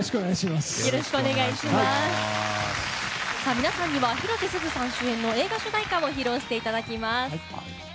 皆さんには広瀬すずさん主演の映画主題歌を披露していただきます。